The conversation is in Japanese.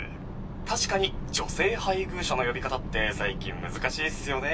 確かに女性配偶者の呼び方って最近難しいっすよね